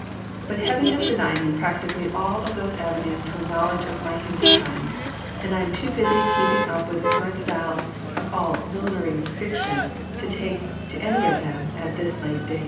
But Heaven has denied me prac tically all of these avenues to a knowledge of my humankind, and I am too busy keeping up with the current styles of all millinery fiction to take to any of them at this late day.